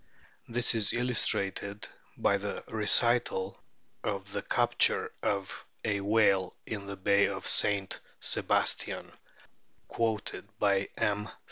This is illustrated by the recital of the capture of a whale in the Bay of St. Sebastian, quoted by M.